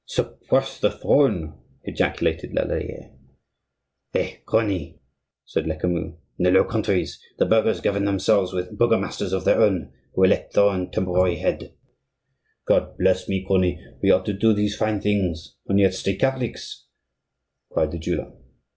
"Suppress the Throne!" ejaculated Lallier. "Hey! crony," said Lecamus, "in the Low Countries the burghers govern themselves with burgomasters of their own, who elect their own temporary head." "God bless me, crony; we ought to do these fine things and yet stay Catholics," cried the jeweller.